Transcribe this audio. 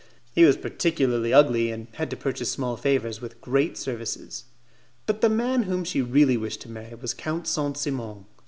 He was particularly ugly, and had to purchase small favours with great services. But the man whom she really wished to marry was Count Saint Simon.